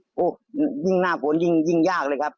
นี่โอ้ยยิ่งหน้าฝนยิ่งยิ่งยากเลยครับ